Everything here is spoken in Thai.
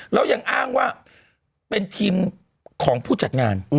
แล้วยังอ้างว่าเป็นทีมของผู้จัดงาน